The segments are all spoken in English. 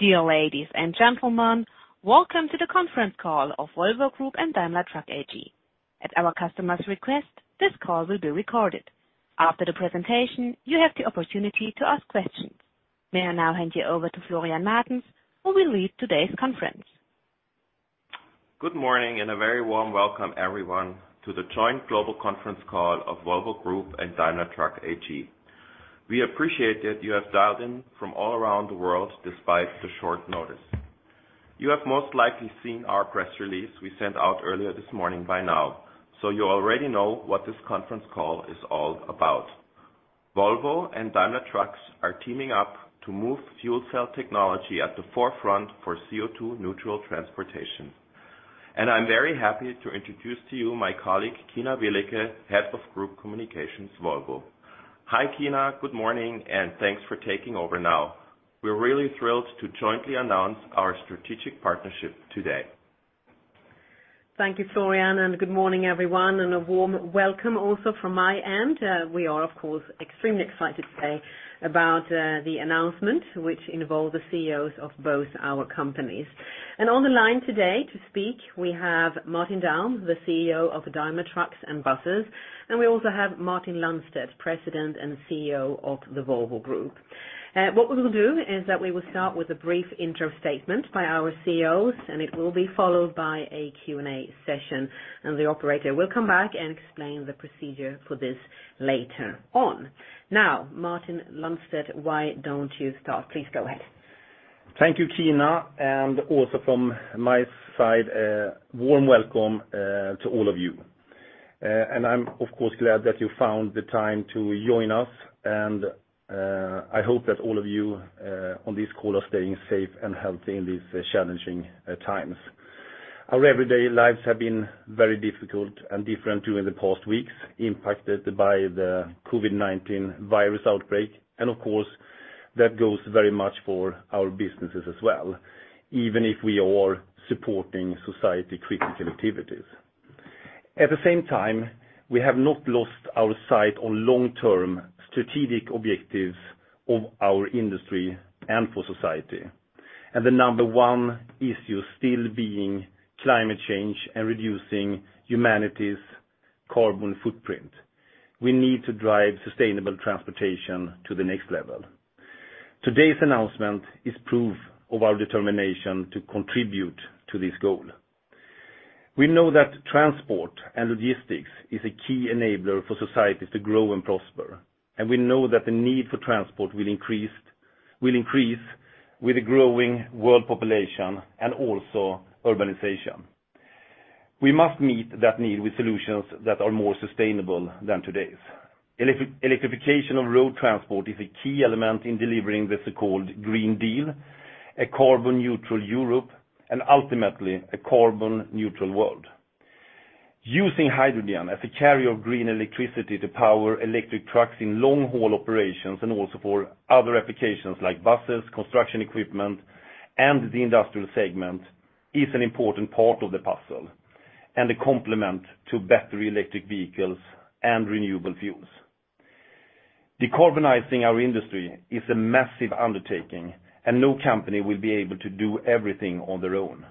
Dear ladies and gentlemen, welcome to the conference call of Volvo Group and Daimler Truck AG. At our customer's request, this call will be recorded. After the presentation, you have the opportunity to ask questions. May I now hand you over to Florian Martens, who will lead today's conference. Good morning, and a very warm welcome everyone to the joint global conference call of Volvo Group and Daimler Truck AG. We appreciate that you have dialed in from all around the world despite the short notice. You have most likely seen our press release we sent out earlier this morning by now. You already know what this conference call is all about. Volvo and Daimler Truck are teaming up to move fuel cell technology at the forefront for CO2 neutral transportation. I'm very happy to introduce to you my colleague, Kina Wileke, Head of Group Communications, Volvo. Hi, Kina. Good morning. Thanks for taking over now. We're really thrilled to jointly announce our strategic partnership today. Thank you, Florian. Good morning, everyone. A warm welcome also from my end. We are, of course, extremely excited today about the announcement, which involved the CEOs of both our companies. On the line today to speak, we have Martin Daum, the CEO of Daimler Trucks and Buses. We also have Martin Lundstedt, President and CEO of the Volvo Group. What we will do is that we will start with a brief intro statement by our CEOs. It will be followed by a Q&A session. The operator will come back and explain the procedure for this later on. Now, Martin Lundstedt, why don't you start, please? Go ahead. Thank you, Kina, and also from my side, a warm welcome to all of you. I'm, of course, glad that you found the time to join us, and I hope that all of you on this call are staying safe and healthy in these challenging times. Our everyday lives have been very difficult and different during the past weeks, impacted by the COVID-19 virus outbreak. Of course, that goes very much for our businesses as well, even if we are supporting society critical activities. At the same time, we have not lost our sight on long-term strategic objectives of our industry and for society. The number one issue still being climate change and reducing humanity's carbon footprint. We need to drive sustainable transportation to the next level. Today's announcement is proof of our determination to contribute to this goal. We know that transport and logistics is a key enabler for societies to grow and prosper, and we know that the need for transport will increase with the growing world population and also urbanization. We must meet that need with solutions that are more sustainable than today's. Electrification of road transport is a key element in delivering the so-called Green Deal, a carbon neutral Europe, and ultimately, a carbon neutral world. Using hydrogen as a carrier of green electricity to power electric trucks in long-haul operations and also for other applications like buses, construction equipment, and the industrial segment is an important part of the puzzle, and a complement to battery electric vehicles and renewable fuels. Decarbonizing our industry is a massive undertaking, and no company will be able to do everything on their own.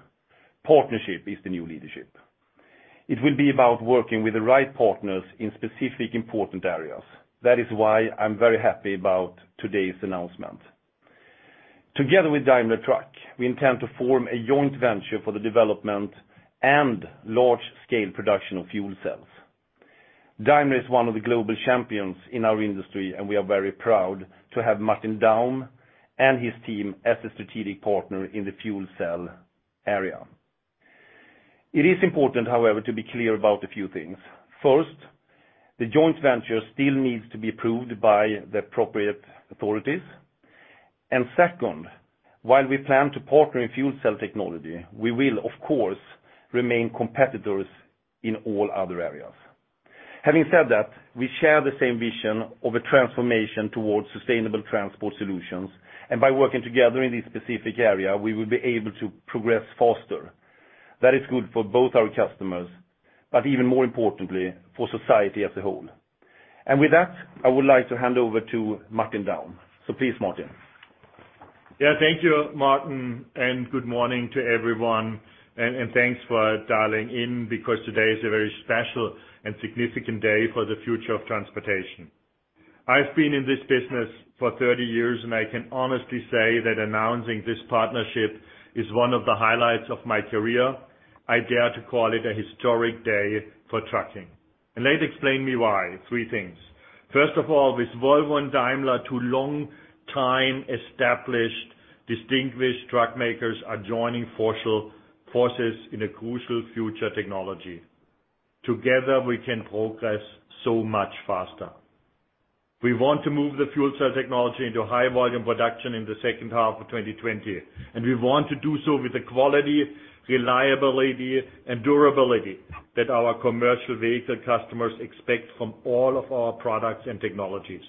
Partnership is the new leadership. It will be about working with the right partners in specific important areas. That is why I'm very happy about today's announcement. Together with Daimler Truck, we intend to form a joint venture for the development and large-scale production of fuel cells. Daimler is one of the global champions in our industry, and we are very proud to have Martin Daum and his team as a strategic partner in the fuel cell area. It is important, however, to be clear about a few things. First, the joint venture still needs to be approved by the appropriate authorities. Second, while we plan to partner in fuel cell technology, we will of course remain competitors in all other areas. Having said that, we share the same vision of a transformation towards sustainable transport solutions, and by working together in this specific area, we will be able to progress faster. That is good for both our customers, but even more importantly, for society as a whole. With that, I would like to hand over to Martin Daum. Please, Martin. Yeah. Thank you, Martin. Good morning to everyone. Thanks for dialing in because today is a very special and significant day for the future of transportation. I've been in this business for 30 years, and I can honestly say that announcing this partnership is one of the highlights of my career. I dare to call it a historic day for trucking. Let explain me why. Three things. First of all, with Volvo and Daimler, two long-time established, distinguished truck makers are joining forces in a crucial future technology. Together, we can progress so much faster. We want to move the fuel cell technology into high-volume production in the second half of 2020, and we want to do so with the quality, reliability, and durability that our commercial vehicle customers expect from all of our products and technologies.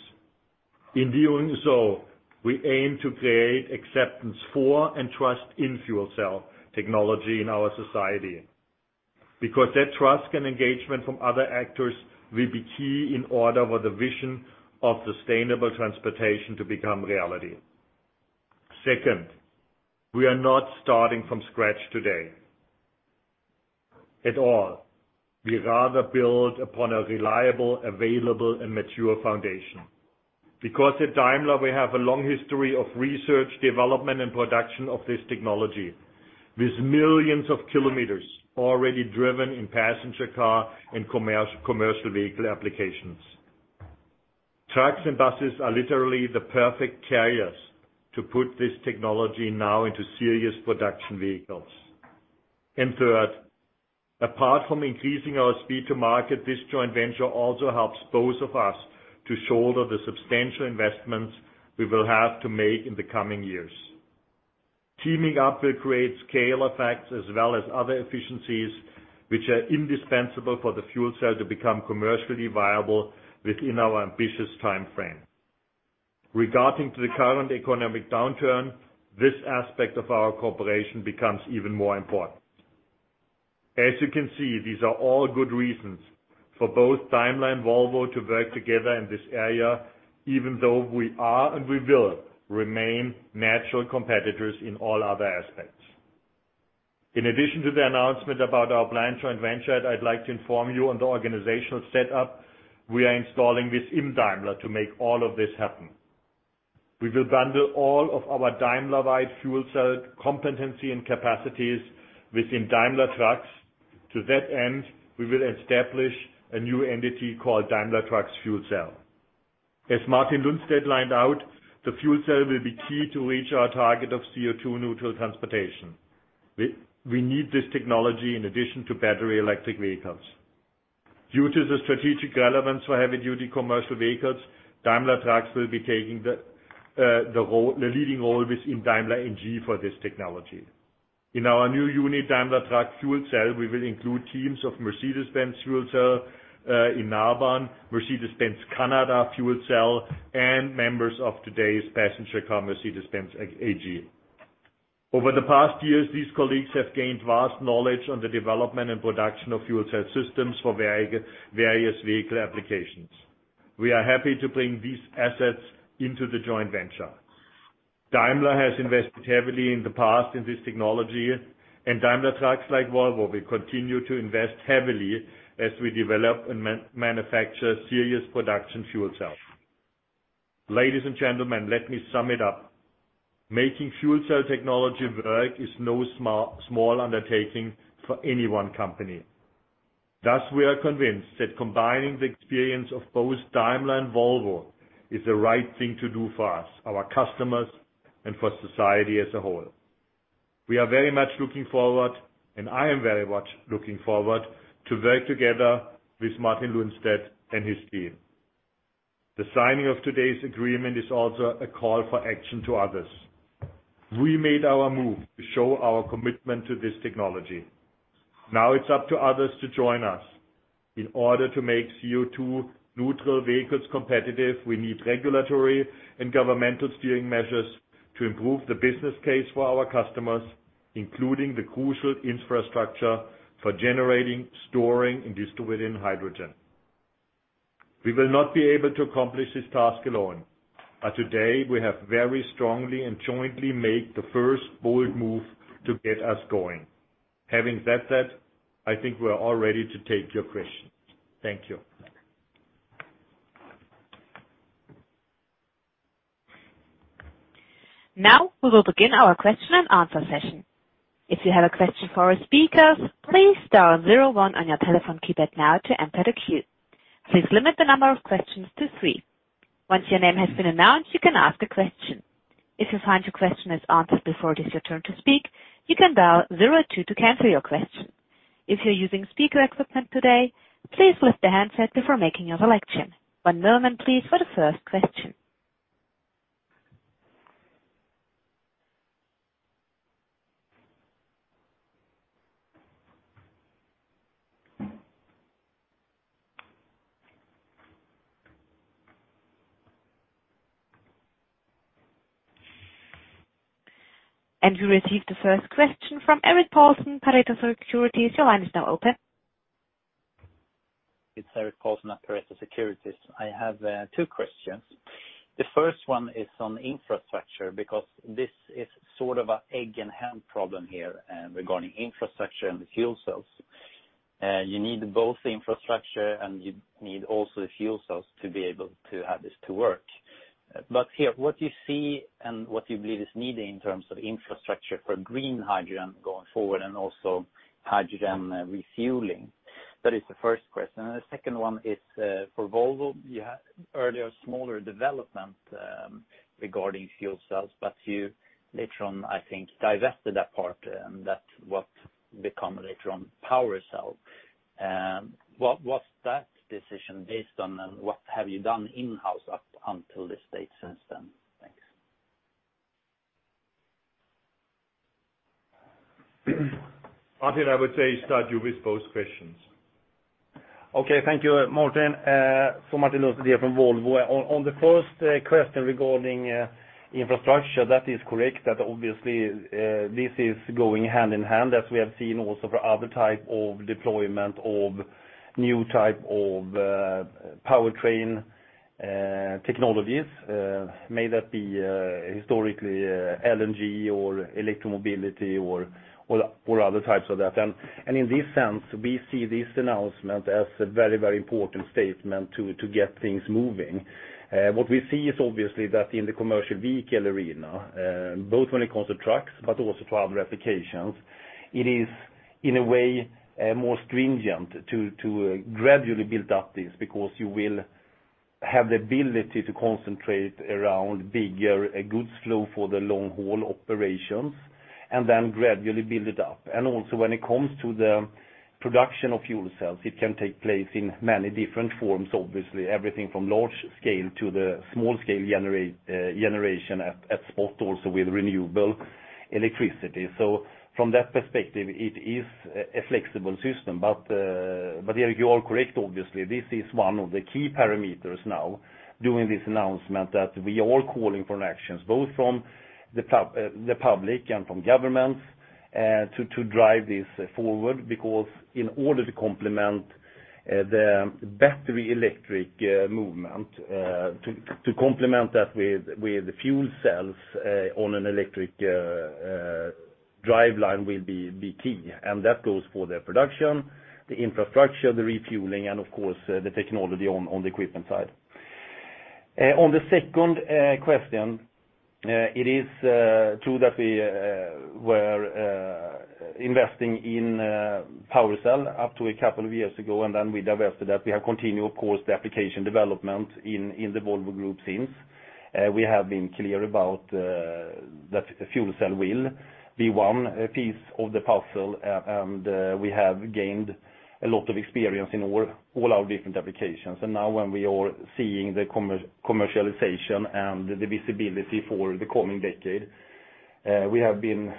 In doing so, we aim to create acceptance for and trust in fuel cell technology in our society. That trust and engagement from other actors will be key in order for the vision of sustainable transportation to become reality. Second, we are not starting from scratch today, at all. We rather build upon a reliable, available, and mature foundation. At Daimler, we have a long history of research, development, and production of this technology, with millions of kilometers already driven in passenger car and commercial vehicle applications. Trucks and buses are literally the perfect carriers to put this technology now into serious production vehicles. Third, apart from increasing our speed to market, this joint venture also helps both of us to shoulder the substantial investments we will have to make in the coming years. Teaming up will create scale effects as well as other efficiencies, which are indispensable for the fuel cell to become commercially viable within our ambitious timeframe. Regarding to the current economic downturn, this aspect of our cooperation becomes even more important. As you can see, these are all good reasons for both Daimler and Volvo to work together in this area, even though we are, and we will remain natural competitors in all other aspects. In addition to the announcement about our planned joint venture, I'd like to inform you on the organizational setup we are installing within Daimler to make all of this happen. We will bundle all of our Daimler-wide fuel cell competency and capacities within Daimler Truck. To that end, we will establish a new entity called Daimler Truck Fuel Cell. As Martin Lundstedt lined out, the fuel cell will be key to reach our target of CO2 neutral transportation. We need this technology in addition to battery electric vehicles. Due to the strategic relevance for heavy-duty commercial vehicles, Daimler Truck will be taking the leading role within Daimler AG for this technology. In our new unit, Daimler Truck Fuel Cell, we will include teams of Mercedes-Benz Fuel Cell GmbH in Nabern, Mercedes-Benz Canada Fuel Cell Division, and members of today's passenger car, Mercedes-Benz AG. Over the past years, these colleagues have gained vast knowledge on the development and production of fuel cell systems for various vehicle applications. We are happy to bring these assets into the joint venture. Daimler has invested heavily in the past in this technology, and Daimler Truck, like Volvo, will continue to invest heavily as we develop and manufacture serious production fuel cells. Ladies and gentlemen, let me sum it up. Making fuel cell technology work is no small undertaking for any one company. Thus, we are convinced that combining the experience of both Daimler and Volvo is the right thing to do for us, our customers, and for society as a whole. We are very much looking forward, and I am very much looking forward, to work together with Martin Lundstedt and his team. The signing of today's agreement is also a call for action to others. We made our move to show our commitment to this technology. Now it's up to others to join us. In order to make CO2 neutral vehicles competitive, we need regulatory and governmental steering measures to improve the business case for our customers, including the crucial infrastructure for generating, storing, and distributing hydrogen. We will not be able to accomplish this task alone. Today we have very strongly and jointly made the first bold move to get us going. Having said that, I think we are all ready to take your questions. Thank you. Now, we will begin our question and answer session. If you have a question for our speakers, please dial zero one on your telephone keypad now to enter the queue. Please limit the number of questions to three. Once your name has been announced, you can ask a question. If you find your question is answered before it is your turn to speak, you can dial zero two to cancel your question. If you're using speaker equipment today, please lift the handset before making your selection. One moment, please, for the first question. We receive the first question from Erik Paulsen, Pareto Securities. Your line is now open. It's Erik Paulsen at Pareto Securities. I have two questions. The first one is on infrastructure, because this is sort of an egg and ham problem here, regarding infrastructure and the fuel cells. You need both the infrastructure and you need also the fuel cells to be able to have this to work. Here, what do you see and what you believe is needed in terms of infrastructure for green hydrogen going forward and also hydrogen refueling? That is the first question. The second one is, for Volvo, you had earlier, a smaller development, regarding fuel cells, but you later on, I think, divested that part and that's what become later on PowerCell. What's that decision based on, and what have you done in-house up until this date since then? Thanks. Martin, I would say, start you with both questions. Okay, thank you, Martin. Martin Lundstedt here from Volvo. On the first question regarding infrastructure, that is correct. Obviously, this is going hand in hand as we have seen also for other type of deployment of new type of powertrain technologies, may that be historically LNG or electric mobility or other types of that. In this sense, we see this announcement as a very important statement to get things moving. What we see is obviously that in the commercial vehicle arena, both when it comes to trucks but also to other applications, it is, in a way, more stringent to gradually build up this, because you will have the ability to concentrate around bigger goods flow for the long-haul operations, and then gradually build it up. Also when it comes to the production of fuel cells, it can take place in many different forms, obviously, everything from large scale to the small scale generation at spot, also with renewable electricity. From that perspective, it is a flexible system. You are correct, obviously, this is one of the key parameters now during this announcement that we are calling for actions, both from the public and from governments to drive this forward, because in order to complement the battery electric movement, to complement that with fuel cells on an electric driveline will be key. That goes for the production, the infrastructure, the refueling, and of course, the technology on the equipment side. On the second question, it is true that we were investing in PowerCell up to a couple of years ago, and then we divested that. We have continued, of course, the application development in the Volvo Group since. We have been clear about that fuel cell will be one piece of the puzzle, and we have gained a lot of experience in all our different applications. Now when we are seeing the commercialization and the visibility for the coming decade, we have been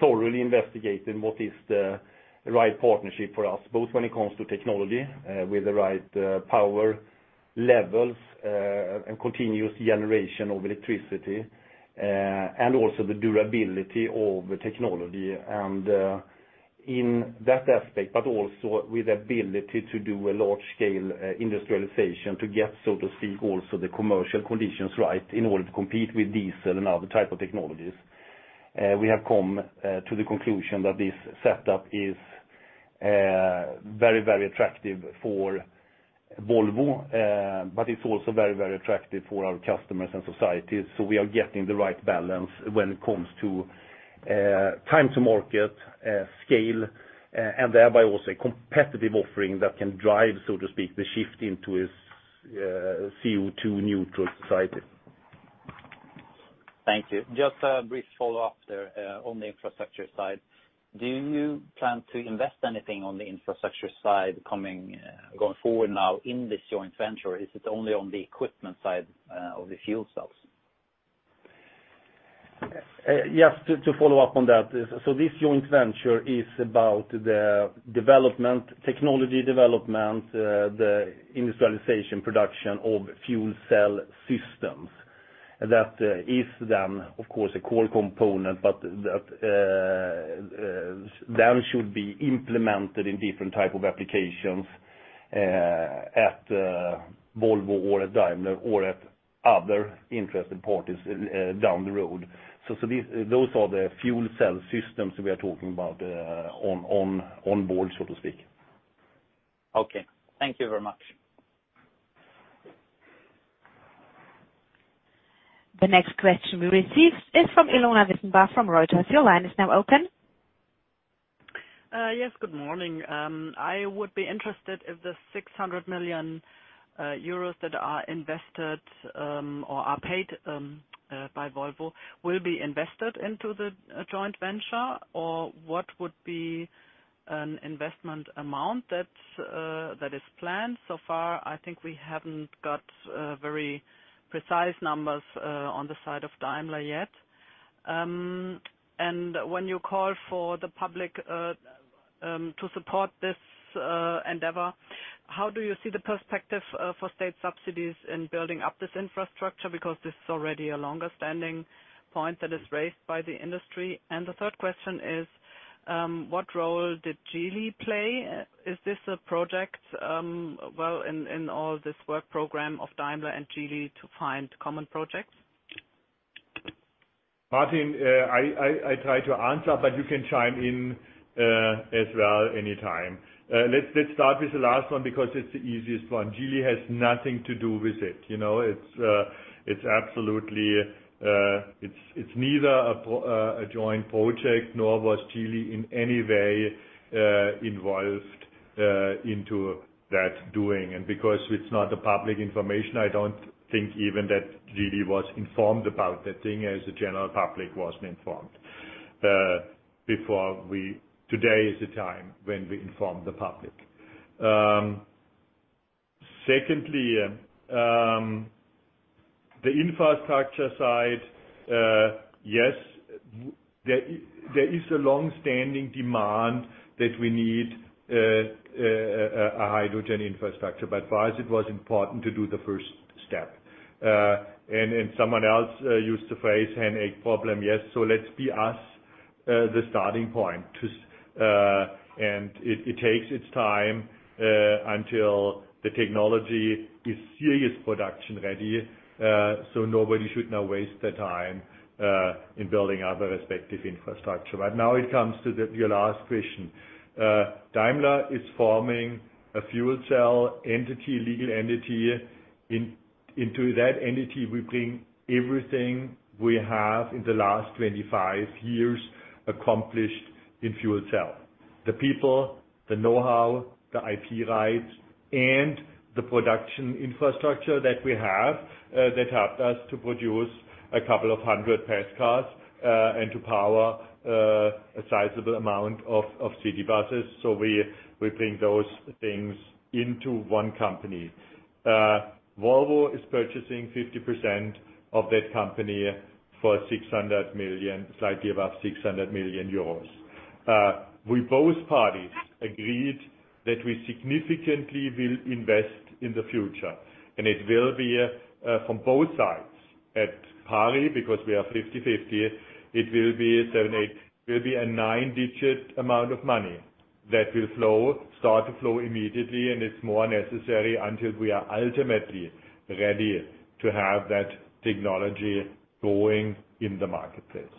thoroughly investigating what is the right partnership for us, both when it comes to technology with the right power levels, and continuous generation of electricity, and also the durability of the technology. In that aspect, but also with ability to do a large-scale industrialization to get, so to speak, also the commercial conditions right in order to compete with diesel and other type of technologies. We have come to the conclusion that this setup is very attractive for Volvo, but it's also very attractive for our customers and society. We are getting the right balance when it comes to time to market, scale, and thereby also a competitive offering that can drive, so to speak, the shift into a CO2 neutral society. Thank you. Just a brief follow-up there on the infrastructure side. Do you plan to invest anything on the infrastructure side going forward now in this joint venture, or is it only on the equipment side of the fuel cells? Yes, to follow up on that. This joint venture is about the technology development, the industrialization production of fuel cell systems. That is then, of course, a core component, but that then should be implemented in different type of applications at Volvo or at Daimler or at other interested parties down the road. Those are the fuel cell systems we are talking about on board, so to speak. Okay. Thank you very much. The next question we received is from Ilona Wissenbach from Reuters. Your line is now open. Yes, good morning. I would be interested if the 600 million euros that are invested or are paid by Volvo will be invested into the joint venture, or what would be an investment amount that is planned? So far, I think we haven't got very precise numbers on the side of Daimler yet. When you call for the public to support this endeavor, how do you see the perspective for state subsidies in building up this infrastructure? This is already a longer-standing point that is raised by the industry. The third question is, what role did Geely play? Is this a project, well, in all this work program of Daimler and Geely to find common projects? Martin, I try to answer. You can chime in as well anytime. Let's start with the last one, because it's the easiest one. Geely has nothing to do with it. It's neither a joint project, nor was Geely in any way involved into that doing. Because it's not a public information, I don't think even that Geely was informed about that thing as the general public wasn't informed. Today is the time when we inform the public. Secondly, the infrastructure side, yes, there is a long-standing demand that we need a hydrogen infrastructure. For us, it was important to do the first step. Someone else used the phrase, "Hen-egg problem." Yes. Let's be us, the starting point. It takes its time until the technology is serious production ready. Nobody should now waste their time in building up a respective infrastructure. Now it comes to your last question. Daimler is forming a fuel cell entity, legal entity. Into that entity, we bring everything we have in the last 25 years accomplished in fuel cell, the people, the know-how, the IP rights, and the production infrastructure that we have that helped us to produce a couple of hundred passenger cars and to power a sizable amount of city buses. We bring those things into one company. Volvo is purchasing 50% of that company for slightly above 600 million euros. We, both parties, agreed that we significantly will invest in the future, and it will be from both sides. At par, because we are 50/50, it will be a nine-digit amount of money that will start to flow immediately, and it is more necessary until we are ultimately ready to have that technology going in the marketplace.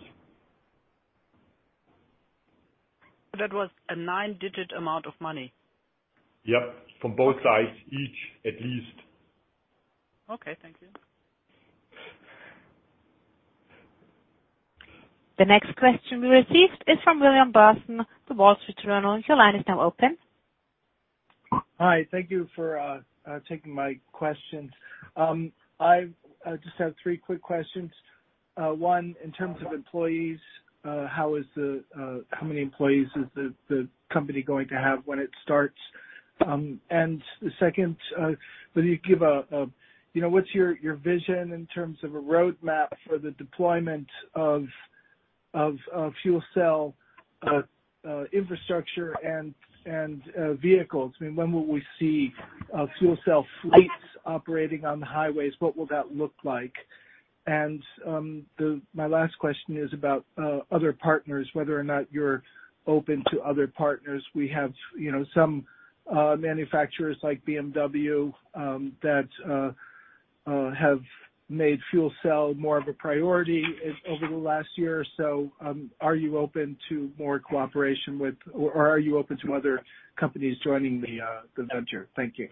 That was a nine-digit amount of money? Yep. From both sides, each at least. Okay, thank you. The next question we received is from William Boston of Wall Street Journal. Your line is now open. Hi. Thank you for taking my questions. I just have three quick questions. One, in terms of employees, how many employees is the company going to have when it starts? The second, what's your vision in terms of a roadmap for the deployment of fuel cell infrastructure and vehicles? When will we see fuel cell fleets operating on the highways? What will that look like? My last question is about other partners, whether or not you're open to other partners. We have some manufacturers like BMW, that have made fuel cell more of a priority over the last year or so. Are you open to more cooperation with, or are you open to other companies joining the venture? Thank you.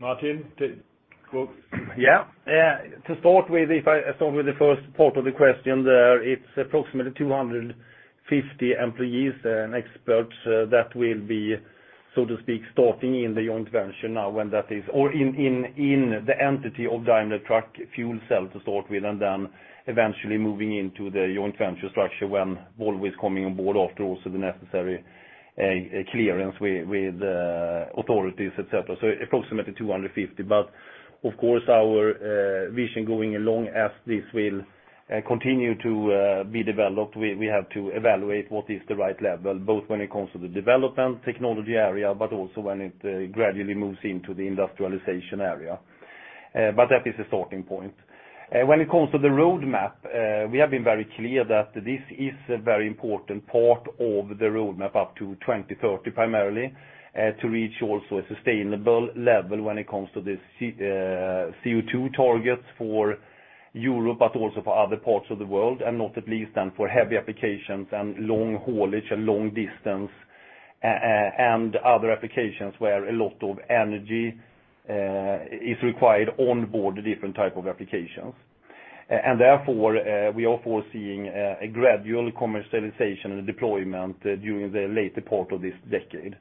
Martin, go. Yeah. To start with the first part of the question there, it's approximately 250 employees and experts that will be, so to speak, starting in the joint venture now when that is, or in the entity of Daimler Truck Fuel Cell to start with, and then eventually moving into the joint venture structure when Volvo is coming on board after also the necessary clearance with authorities, et cetera. Approximately 250. Of course, our vision going along as this will continue to be developed, we have to evaluate what is the right level, both when it comes to the development technology area, but also when it gradually moves into the industrialization area. That is a starting point. When it comes to the roadmap, we have been very clear that this is a very important part of the roadmap up to 2030, primarily, to reach also a sustainable level when it comes to the CO2 targets for Europe, but also for other parts of the world, and not at least then for heavy applications and long haulage and long distance and other applications where a lot of energy is required on board different type of applications. Therefore, we are foreseeing a gradual commercialization and deployment during the later part of this decade.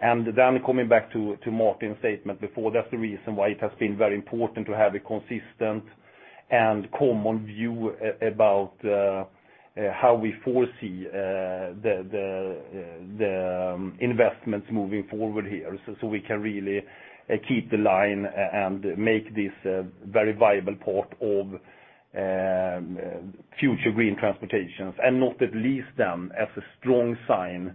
Coming back to Martin's statement before, that's the reason why it has been very important to have a consistent and common view about how we foresee the investments moving forward here. We can really keep the line and make this a very viable part of future green transportations, and not at least then as a strong sign.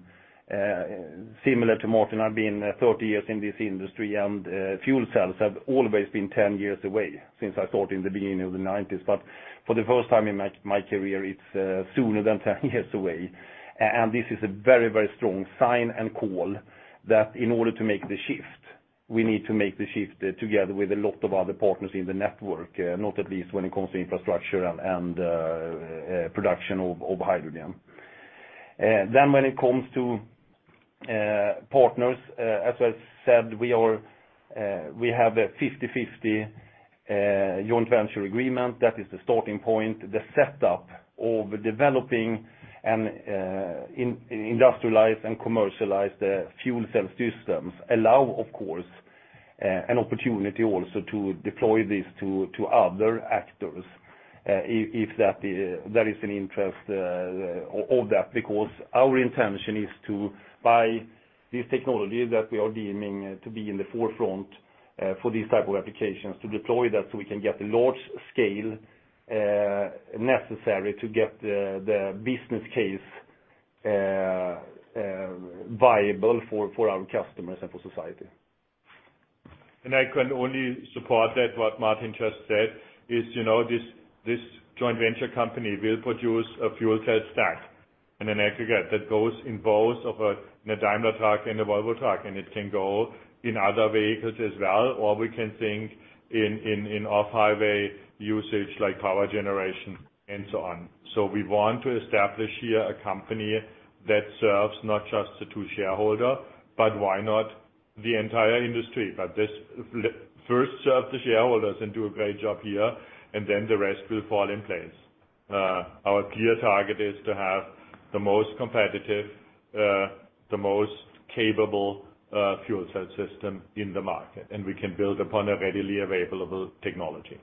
Similar to Martin, I've been 30 years in this industry, and fuel cells have always been 10 years away since I thought in the beginning of the 90s. For the first time in my career, it's sooner than 10 years away. This is a very strong sign and call that in order to make the shift, we need to make the shift together with a lot of other partners in the network, not at least when it comes to infrastructure and production of hydrogen. When it comes to partners, as I said, we have a 50/50 joint venture agreement. That is the starting point. The setup of developing and industrialize and commercialize the fuel cell systems allow, of course, an opportunity also to deploy this to other actors. If there is an interest of that, because our intention is to buy these technologies that we are deeming to be in the forefront for these type of applications, to deploy that so we can get the large scale necessary to get the business case viable for our customers and for society. I can only support that what Martin just said is, this joint venture company will produce a fuel cell stack in an aggregate that goes in both of a Daimler Truck and a Volvo truck, and it can go in other vehicles as well, or we can think in off-highway usage like power generation and so on. We want to establish here a company that serves not just the two shareholders, but why not the entire industry. Let first serve the shareholders and do a great job here, and then the rest will fall in place. Our clear target is to have the most competitive, the most capable fuel cell system in the market, and we can build upon a readily available technology.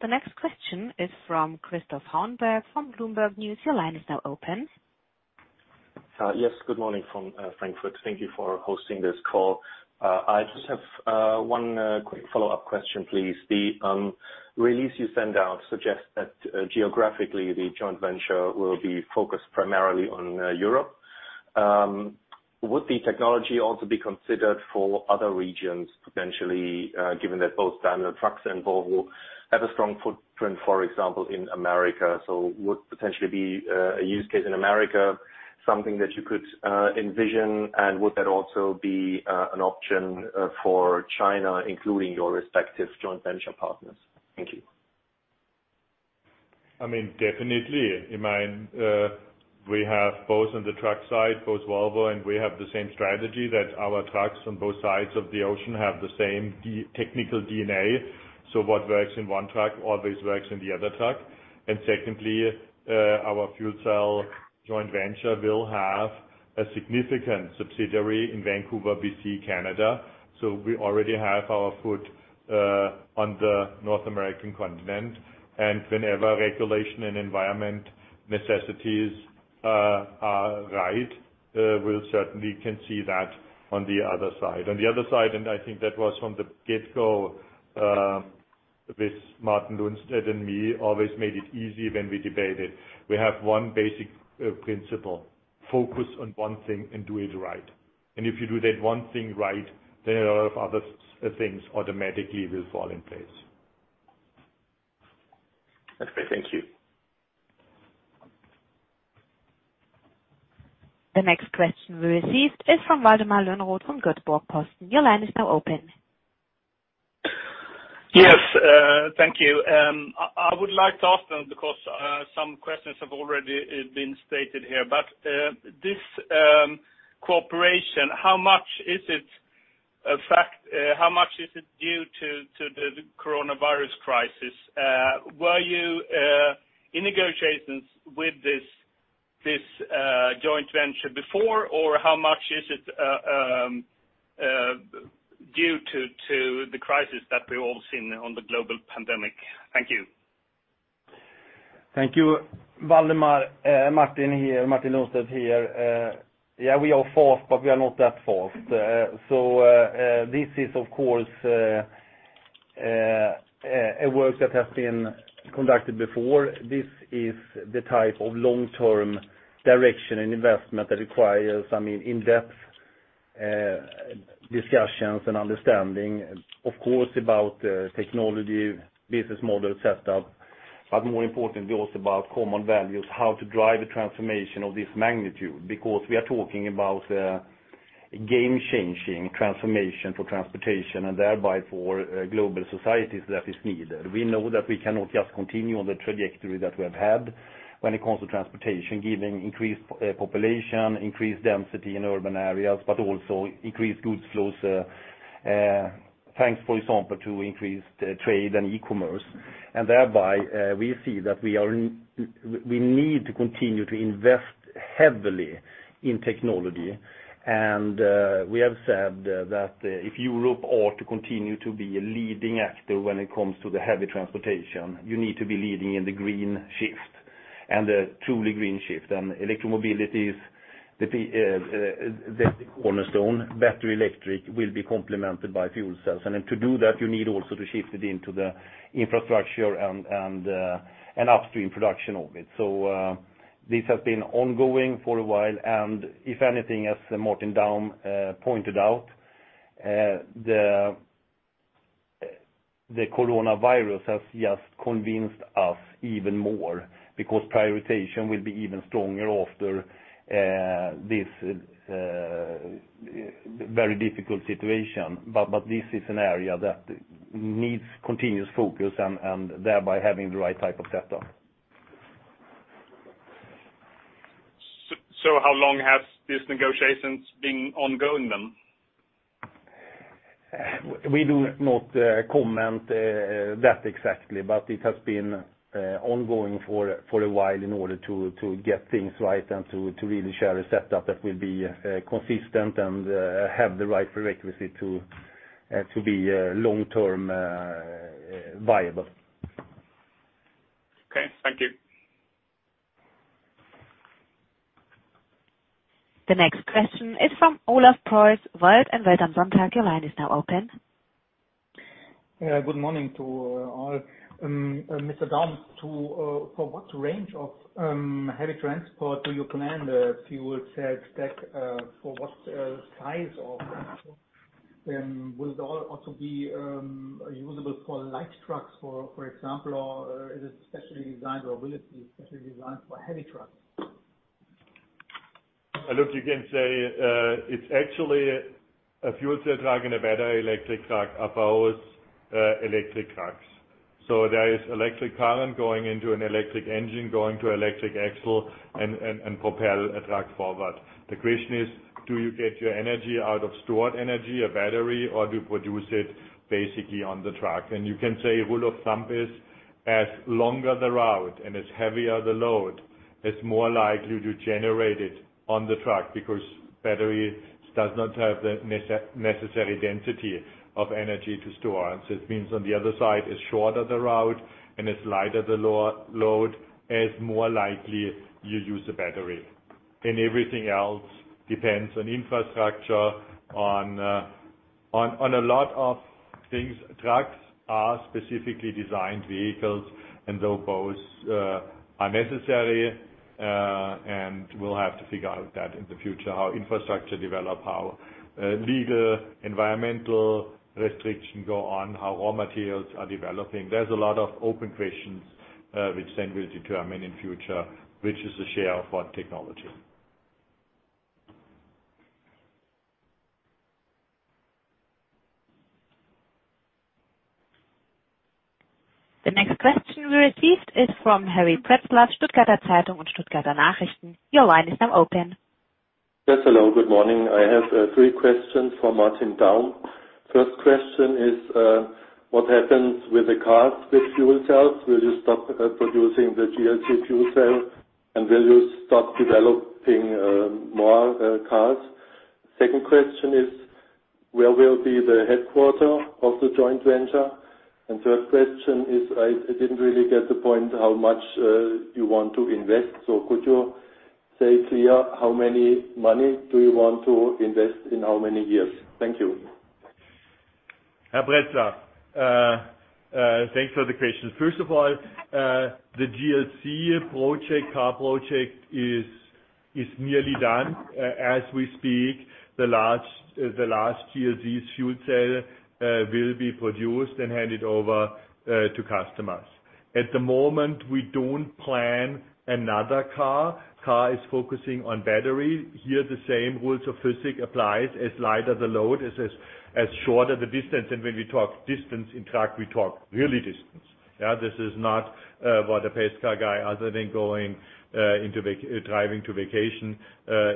The next question is from Christoph Rauwald from Bloomberg News. Your line is now open. Yes, good morning from Frankfurt. Thank you for hosting this call. I just have one quick follow-up question, please. The release you sent out suggests that geographically, the joint venture will be focused primarily on Europe. Would the technology also be considered for other regions potentially, given that both Daimler Trucks and Volvo have a strong footprint, for example, in America? Would potentially be a use case in America, something that you could envision, and would that also be an option for China, including your respective joint venture partners? Thank you. Definitely. In mind, we have both on the truck side, both Volvo, and we have the same strategy that our trucks on both sides of the ocean have the same technical DNA. What works in one truck always works in the other truck. Secondly, our fuel cell joint venture will have a significant subsidiary in Vancouver, B.C., Canada. We already have our foot on the North American continent. Whenever regulation and environment necessities are right, we certainly can see that on the other side. On the other side, and I think that was from the get-go, with Martin Lundstedt and me always made it easy when we debated. We have one basic principle, focus on one thing and do it right. If you do that one thing right, then a lot of other things automatically will fall in place. Okay, thank you. The next question we received is from Valdemar Lönnroth from Göteborgs-Posten. Your line is now open. Yes, thank you. I would like to ask them because some questions have already been stated here. This cooperation, how much is it due to the coronavirus crisis? Were you in negotiations with this joint venture before, or how much is it due to the crisis that we've all seen on the global pandemic? Thank you. Thank you, Valdemar. Martin Lundstedt here. We are fast, but we are not that fast. This is of course, a work that has been conducted before. This is the type of long-term direction and investment that requires in-depth discussions and understanding, of course, about technology, business model set up, but more importantly, also about common values, how to drive the transformation of this magnitude, because we are talking about a game-changing transformation for transportation and thereby for global societies that is needed. We know that we cannot just continue on the trajectory that we have had when it comes to transportation, given increased population, increased density in urban areas, but also increased goods flows, thanks, for example, to increased trade and e-commerce. Thereby, we see that we need to continue to invest heavily in technology. We have said that if Europe ought to continue to be a leading actor when it comes to the heavy transportation, you need to be leading in the green shift, and a truly green shift. Electromobility is the cornerstone. Battery electric will be complemented by fuel cells. To do that, you need also to shift it into the infrastructure and upstream production of it. This has been ongoing for a while, and if anything, as Martin Daum pointed out, the coronavirus has just convinced us even more because prioritization will be even stronger after this very difficult situation. This is an area that needs continuous focus and thereby having the right type of setup. How long has these negotiations been ongoing then? We do not comment that exactly, but it has been ongoing for a while in order to get things right and to really share a setup that will be consistent and have the right prerequisite to be long-term viable. Okay. Thank you. The next question is from Olaf Preuß, Welt am Sonntag. Your line is now open. Good morning to all. Mr. Daum, for what range of heavy transport do you plan the fuel cell stack? For what size of will it also be usable for light trucks, for example, or is it specially designed, or will it be specially designed for heavy trucks? Olaf, you can say it's actually a fuel cell truck and a battery electric truck are both electric trucks. There is electric current going into an electric engine, going to electric axle, and propel a truck forward. The question is, do you get your energy out of stored energy, a battery, or do you produce it basically on the truck? You can say, rule of thumb is, as longer the route and as heavier the load, it's more likely to generate it on the truck, because battery does not have the necessary density of energy to store. It means on the other side, as shorter the route and as lighter the load, is more likely you use a battery. Everything else depends on infrastructure, on a lot of things. Trucks are specifically designed vehicles, and though both are necessary, and we'll have to figure out that in the future, how infrastructure develop, how legal, environmental restriction go on, how raw materials are developing. There's a lot of open questions, which then will determine in future, which is the share of what technology. The next question we received is from Harry Pretzlaff, Stuttgarter Zeitung und Stuttgarter Nachrichten. Your line is now open. Yes, hello. Good morning. I have three questions for Martin Daum. First question is, what happens with the cars with fuel cells? Will you stop producing the Mercedes-Benz GLC F-CELL, and will you stop developing more cars? Second question is, where will be the headquarter of the joint venture? Third question is, I didn't really get the point how much you want to invest. Could you say clear how many money do you want to invest in how many years? Thank you. Harry Pretzlaff, thanks for the questions. First of all, the GLC car project is nearly done. As we speak, the last Mercedes-Benz GLC F-CELL will be produced and handed over to customers. At the moment, we don't plan another car. Car is focusing on battery. Here, the same rules of physics applies. As lighter the load is, as shorter the distance. When we talk distance in truck, we talk really distance. Yeah. This is not what a pace car guy, other than going driving to vacation,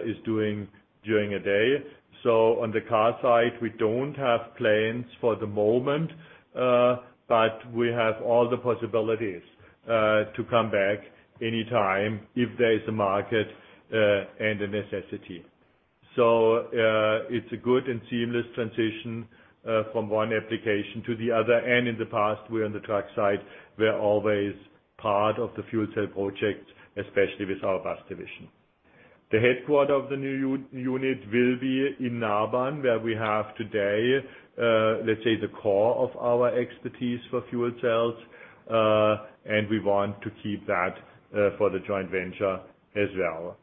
is doing during a day. On the car side, we don't have plans for the moment, but we have all the possibilities to come back anytime if there is a market, and a necessity. It's a good and seamless transition from one application to the other. In the past, we on the truck side, were always part of the fuel cell project, especially with our bus division. The headquarters of the new unit will be in Nabern, where we have today, let's say, the core of our expertise for fuel cells. We want to keep that for the joint venture as well.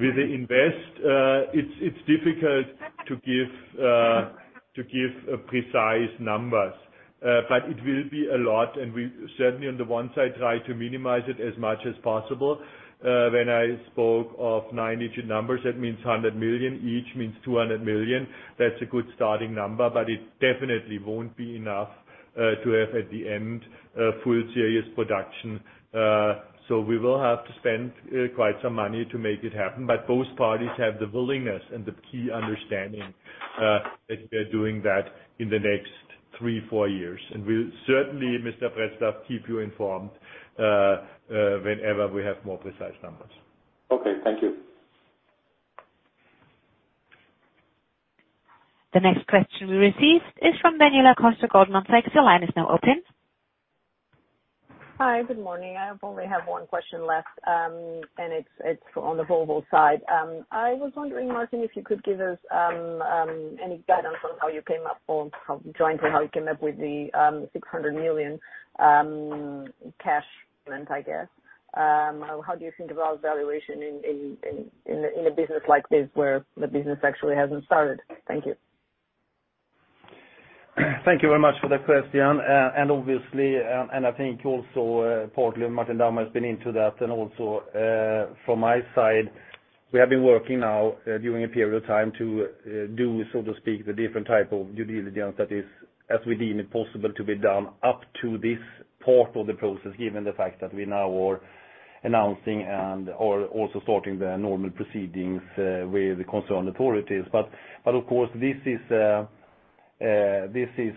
With the investment, it's difficult to give precise numbers. It will be a lot, and we certainly, on the one side, try to minimize it as much as possible. When I spoke of nine-digit numbers, that means 100 million each, means 200 million. That's a good starting number, but it definitely won't be enough, to have at the end, full serious production. We will have to spend quite some money to make it happen, but both parties have the willingness and the key understanding, that we are doing that in the next three, four years. We'll certainly, Mr. Pretzlaff, keep you informed whenever we have more precise numbers. Okay. Thank you. The next question we received is from Daniela Costa, Goldman Sachs. Your line is now open. Hi. Good morning. I only have one question left. It's on the Volvo side. I was wondering, Martin, if you could give us any guidance on how you came up, or how jointly how you came up with the 600 million cash investment, I guess. How do you think about valuation in a business like this where the business actually hasn't started? Thank you. Thank you very much for the question. Obviously, and I think also partly Martin Daum has been into that, and also, from my side, we have been working now during a period of time to do, so to speak, the different type of due diligence that is as we deem it possible to be done up to this part of the process, given the fact that we now are announcing and, or also starting the normal proceedings with the concerned authorities. Of course, this is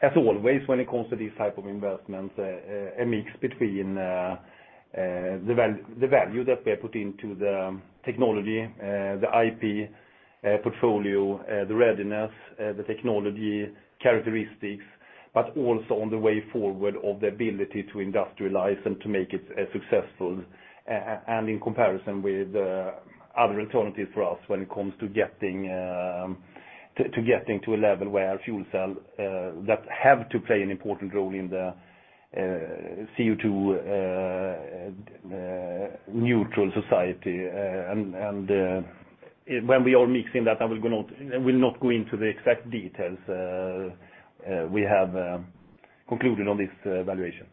as always, when it comes to these type of investments, a mix between the value that we are putting to the technology, the IP portfolio, the readiness, the technology characteristics, but also on the way forward of the ability to industrialize and to make it successful, and in comparison with other alternatives for us when it comes to getting to a level where fuel cell, that have to play an important role in the CO2 neutral society. When we are mixing that, I will not go into the exact details we have concluded on this valuation.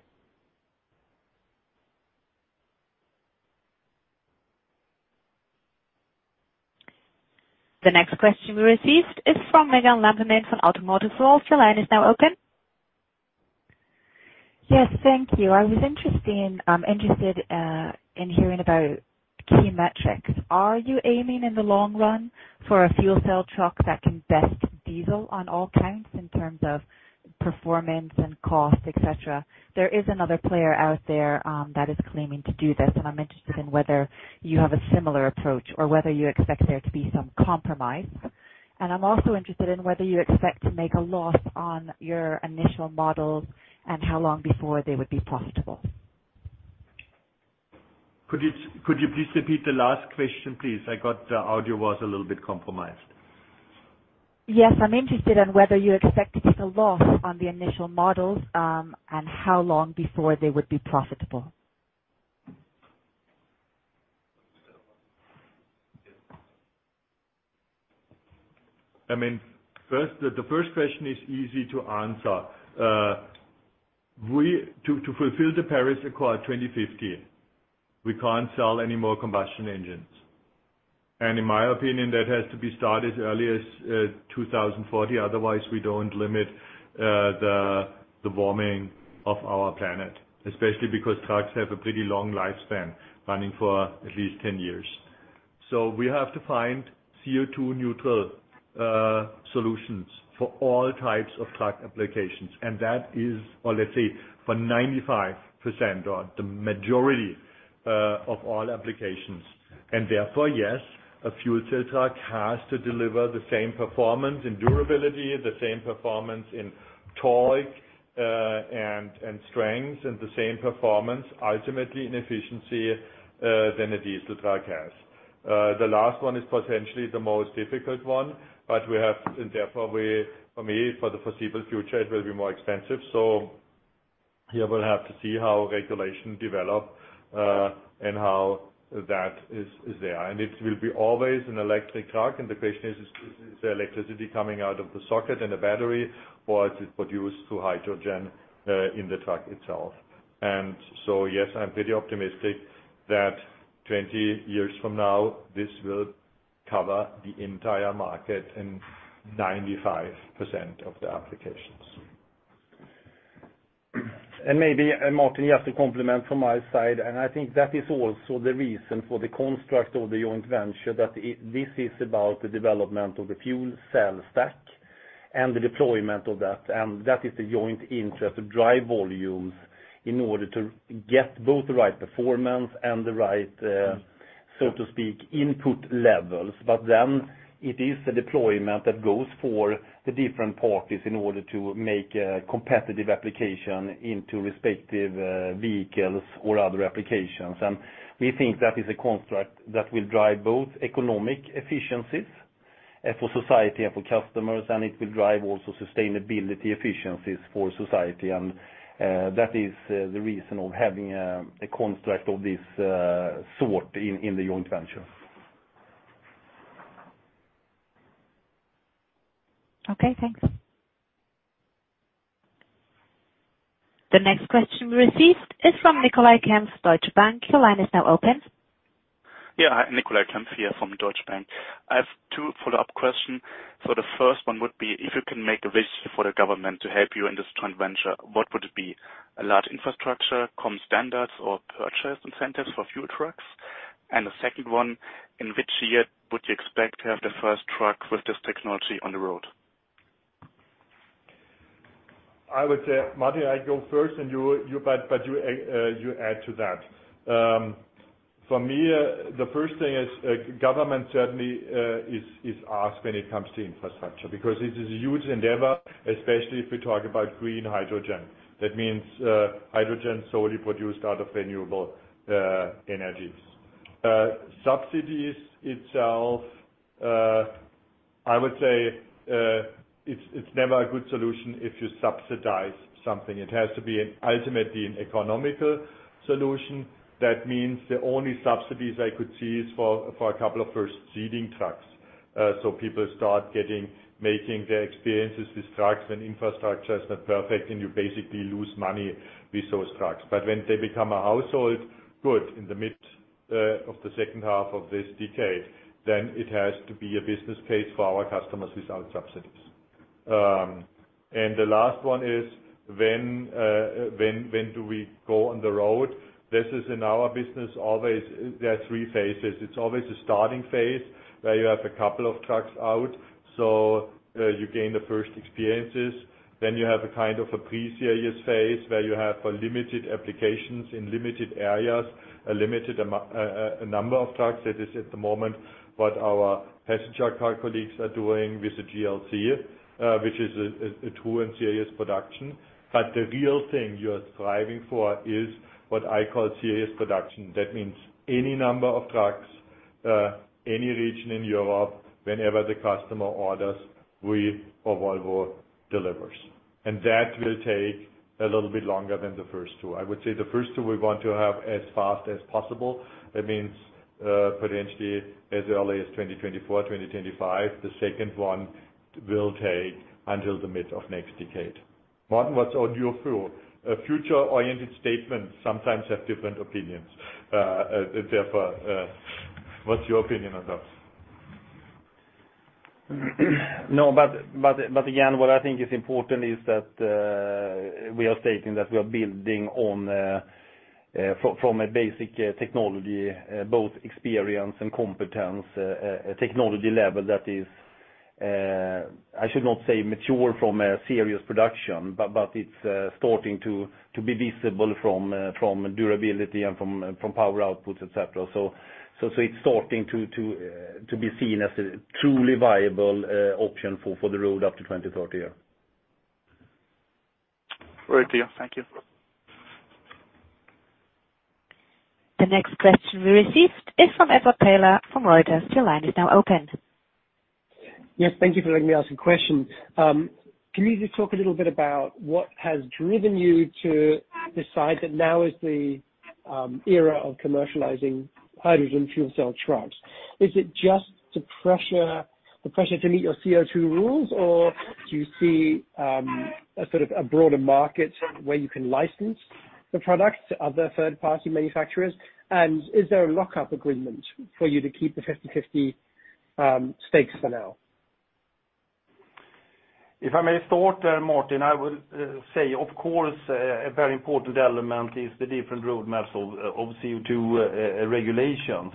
The next question we received is from Megan Lampinen from Automotive World. Your line is now open. Yes, thank you. I was interested in hearing about key metrics. Are you aiming in the long run for a fuel cell truck that can best diesel on all counts in terms of performance and cost, et cetera? There is another player out there that is claiming to do this. I'm interested in whether you have a similar approach or whether you expect there to be some compromise. I'm also interested in whether you expect to make a loss on your initial models and how long before they would be profitable. Could you please repeat the last question, please? The audio was a little bit compromised. Yes, I'm interested in whether you expect to take a loss on the initial models, and how long before they would be profitable. I mean, the first question is easy to answer. To fulfill the Paris Agreement 2050, we can't sell any more combustion engines. In my opinion, that has to be started early as 2040, otherwise we don't limit the warming of our planet. Especially because trucks have a pretty long lifespan, running for at least 10 years. We have to find CO2 neutral solutions for all types of truck applications. That is, or let's say, for 95% or the majority of all applications. Therefore, yes, a fuel cell truck has to deliver the same performance and durability, the same performance in torque, and strength, and the same performance ultimately in efficiency, than a diesel truck has. The last one is potentially the most difficult one, we have, and therefore we, for me, for the foreseeable future, it will be more expensive. We will have to see how regulation develop, and how that is there. It will be always an electric truck, and the question is the electricity coming out of the socket and the battery, or is it produced through hydrogen in the truck itself? Yes, I'm pretty optimistic that 20 years from now, this will cover the entire market in 95% of the applications. Maybe, Martin, just to complement from my side, I think that is also the reason for the construct of the joint venture, that this is about the development of the fuel cell stack and the deployment of that. That is the joint interest to drive volumes in order to get both the right performance and the right, so to speak, input levels. It is the deployment that goes for the different parties in order to make a competitive application into respective vehicles or other applications. We think that is a construct that will drive both economic efficiencies for society and for customers, and it will drive also sustainability efficiencies for society. That is the reason of having a construct of this sort in the joint venture. Okay, thanks. The next question we received is from Nicolai Kempf, Deutsche Bank. Your line is now open. Yeah. Nicolai Kempf here from Deutsche Bank. I have two follow-up question. The first one would be, if you can make a wish for the government to help you in this joint venture, what would it be? A large infrastructure, common standards, or purchase incentives for fuel trucks? The second one, in which year would you expect to have the first truck with this technology on the road? I would say, Martin, I go first, but you add to that. For me, the first thing is, government certainly is asked when it comes to infrastructure. Because it is a huge endeavor, especially if we talk about green hydrogen. That means, hydrogen solely produced out of renewable energies. Subsidies itself, I would say, it's never a good solution if you subsidize something. It has to be ultimately an economical solution. That means the only subsidies I could see is for a couple of first seeding trucks. People start making their experiences with trucks when infrastructure is not perfect and you basically lose money with those trucks. When they become a household good in the mid of the second half of this decade, then it has to be a business case for our customers without subsidies. The last one is, when do we go on the road? This is in our business, there are three phases. It's always a starting phase, where you have a couple of trucks out, so you gain the first experiences. You have a kind of a pre-serious phase where you have limited applications in limited areas, a limited number of trucks. That is at the moment what our passenger car colleagues are doing with the GLC, which is a true and serious production. The real thing you are striving for is what I call serious production. That means any number of trucks, any region in Europe, whenever the customer orders, we or Volvo delivers. That will take a little bit longer than the first two. I would say the first two we want to have as fast as possible. That means, potentially as early as 2024, 2025. The second one will take until the mid of next decade. Martin, what are your future-oriented statements sometimes have different opinions. What's your opinion on those? No, again, what I think is important is that, we are stating that we are building from a basic technology, both experience and competence, technology level that is, I should not say mature from a serious production, but it's starting to be visible from durability and from power outputs, et cetera. It's starting to be seen as a truly viable option for the road up to 2030 year. Over to you. Thank you. The next question we received is from Edward Taylor from Reuters. Your line is now open. Yes. Thank you for letting me ask a question. Can you just talk a little bit about what has driven you to decide that now is the era of commercializing hydrogen fuel cell trucks? Is it just the pressure to meet your CO2 rules, or do you see a sort of a broader market where you can license the product to other third-party manufacturers? Is there a lock-up agreement for you to keep the 50/50 stakes for now? If I may start, Martin, I will say, of course, a very important element is the different roadmaps of CO2 regulations.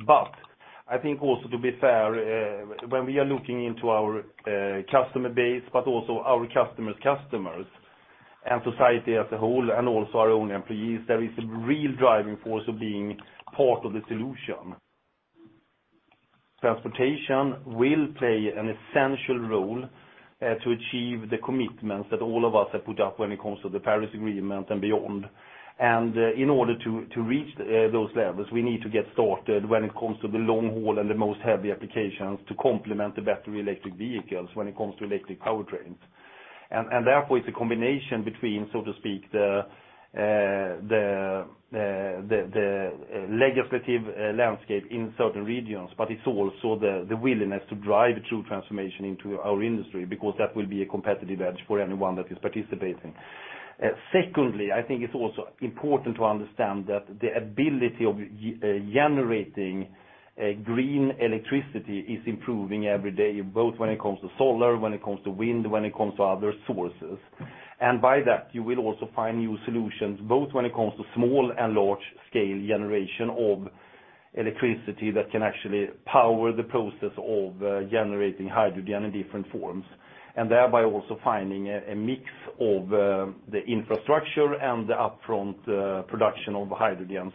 I think also, to be fair, when we are looking into our customer base, also our customer's customers and society as a whole, and also our own employees, there is a real driving force of being part of the solution. Transportation will play an essential role to achieve the commitments that all of us have put up when it comes to the Paris Agreement and beyond. In order to reach those levels, we need to get started when it comes to the long haul and the most heavy applications to complement the battery electric vehicles, when it comes to electric powertrains. Therefore, it's a combination between, so to speak, the legislative landscape in certain regions, but it's also the willingness to drive true transformation into our industry, because that will be a competitive edge for anyone that is participating. Secondly, I think it's also important to understand that the ability of generating green electricity is improving every day, both when it comes to solar, when it comes to wind, when it comes to other sources. By that, you will also find new solutions, both when it comes to small and large scale generation of electricity that can actually power the process of generating hydrogen in different forms. Thereby also finding a mix of the infrastructure and the upfront production of hydrogen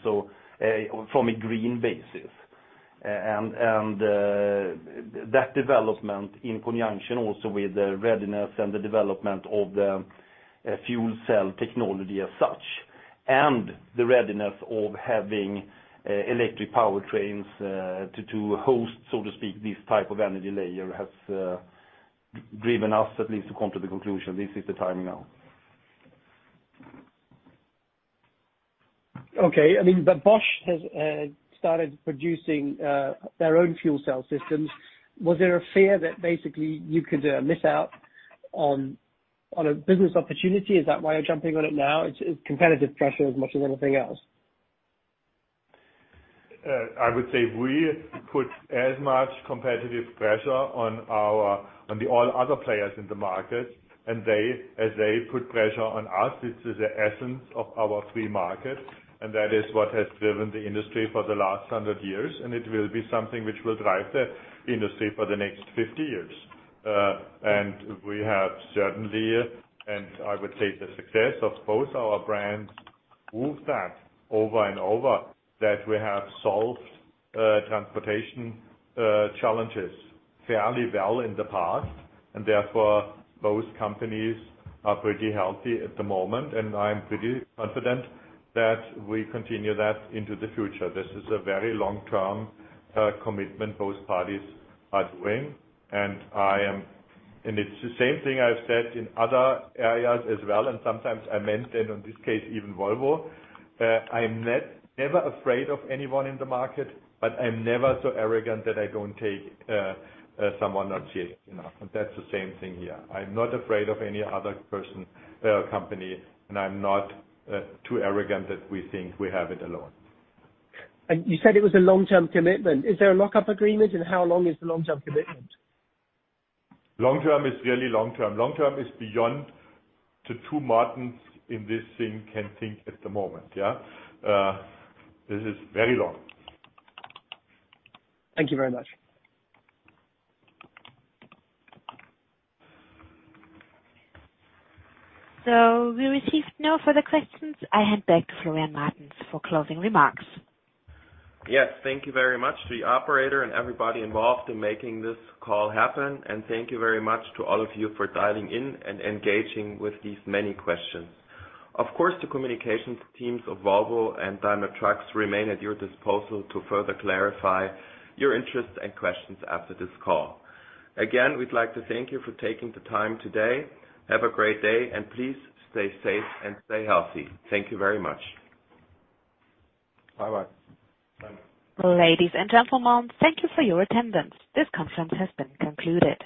from a green basis. That development in conjunction also with the readiness and the development of the fuel cell technology as such, and the readiness of having electric powertrains, to host, so to speak, this type of energy layer has driven us at least to come to the conclusion, this is the time now. Okay. Bosch has started producing their own fuel cell systems. Was there a fear that basically you could miss out on a business opportunity? Is that why you're jumping on it now? It's competitive pressure as much as anything else. I would say we put as much competitive pressure on the all other players in the market as they put pressure on us. This is the essence of our free market, and that is what has driven the industry for the last 100 years, and it will be something which will drive the industry for the next 50 years. We have certainly, and I would say the success of both our brands, proved that over and over, that we have solved transportation challenges fairly well in the past, and therefore, both companies are pretty healthy at the moment, and I am pretty confident that we continue that into the future. This is a very long-term commitment both parties are doing, and it's the same thing I've said in other areas as well, and sometimes I meant in this case, even Volvo. I'm never afraid of anyone in the market, but I'm never so arrogant that I don't take someone not serious enough. That's the same thing here. I'm not afraid of any other person or company, and I'm not too arrogant that we think we have it alone. You said it was a long-term commitment. Is there a lock-up agreement and how long is the long-term commitment? Long-term is really long-term. Long-term is beyond the two Martins in this thing can think at the moment, yeah. This is very long. Thank you very much. We received no further questions. I hand back to Florian Martens for closing remarks. Yes. Thank you very much to the operator and everybody involved in making this call happen, and thank you very much to all of you for dialing in and engaging with these many questions. Of course, the communications teams of Volvo and Daimler Truck remain at your disposal to further clarify your interests and questions after this call. Again, we'd like to thank you for taking the time today. Have a great day, and please stay safe and stay healthy. Thank you very much. Bye-bye. Ladies and gentlemen, thank you for your attendance. This conference has been concluded.